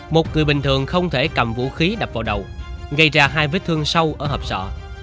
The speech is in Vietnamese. một người bình thường không thể cầm vũ khí đập vào đầu gây ra hai vết thương sâu ở hợp sọ